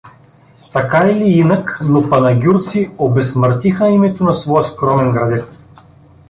Така или инак, но панагюрци обезсмъртиха името на своя скромен градец.